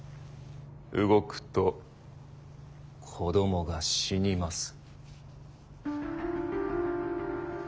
動くと子どもが死にます。